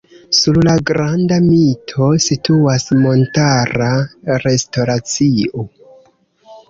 Sur la Granda Mito situas montara restoracio.